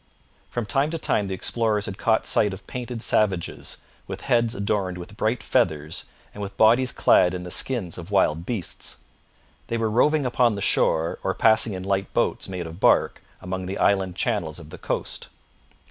From time to time the explorers had caught sight of painted savages, with heads adorned with bright feathers and with bodies clad in the skins of wild beasts. They were roving upon the shore or passing in light boats made of bark among the island channels of the coast.